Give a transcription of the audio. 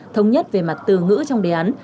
thống nhất về mặt từ ngữ trong đề án